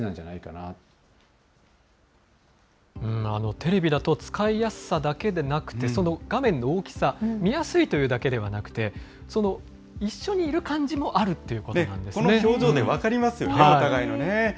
テレビだと使いやすさだけでなくて、その画面の大きさ、見やすいというだけではなくて、その一緒にいる感じもあるっていこの表情で分かりますよね、お互いのね。